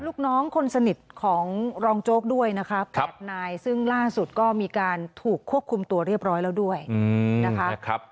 ลูกน้องคนสนิทของรองโจ๊กด้วยนะคะ๘นายซึ่งล่าสุดก็มีการถูกควบคุมตัวเรียบร้อยแล้วด้วยนะคะ